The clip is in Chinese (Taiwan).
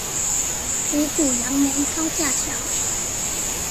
五股楊梅高架橋